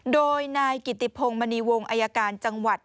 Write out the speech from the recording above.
โดยนายกิติพงศ์มณีวงอายการจังหวัด